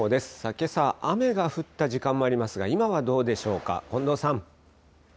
けさ、雨が降った時間もありますが、今はどうでしょうか、近藤さん。